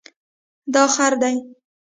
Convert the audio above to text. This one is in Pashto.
دا خړ دی